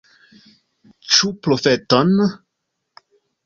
Ĉu profeton?